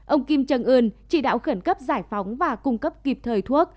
ông kim trần ươn chỉ đạo khẩn cấp giải phóng và cung cấp kịp thời thuốc